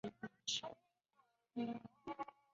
小叶蹄盖蕨为蹄盖蕨科蹄盖蕨属下的一个种。